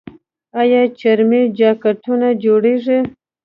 آیا چرمي جاکټونه جوړیږي؟